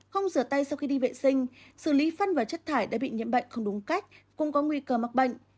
không rửa tay sau khi đi vệ sinh xử lý phân và chất thải đã bị nhiễm bệnh không đúng cách cũng có nguy cơ mắc bệnh